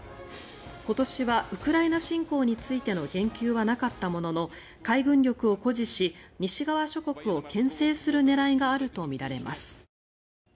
今年はウクライナ侵攻についての言及はなかったものの海軍力を誇示し西側諸国をけん制する狙いがあるとみられます。